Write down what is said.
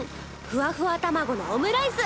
ふわふわ玉子のオムライス。